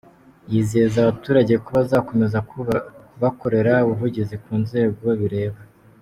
Yizeza abaturage ko bazakomeza kubakorera ubuvugizi ku nzego bireba.